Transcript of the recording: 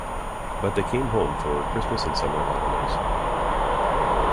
But they came home for Christmas and summer holidays.